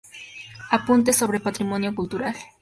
Apuntes sobre patrimonio cultural.